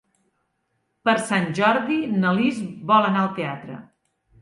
Per Sant Jordi na Lis vol anar al teatre.